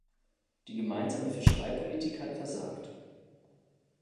Die Gemeinsame Fischereipolitik hat versagt.